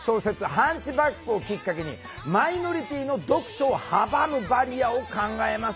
「ハンチバック」をきっかけにマイノリティーの読書を阻むバリアを考えます。